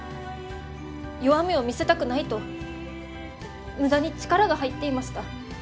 弱みを見せたくないと無駄に力が入っていました。